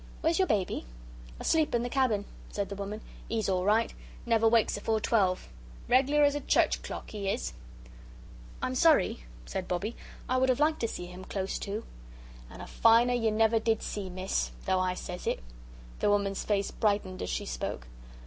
Where's your baby?" "Asleep in the cabin," said the woman. "'E's all right. Never wakes afore twelve. Reg'lar as a church clock, 'e is." "I'm sorry," said Bobbie; "I would have liked to see him, close to." "And a finer you never did see, Miss, though I says it." The woman's face brightened as she spoke.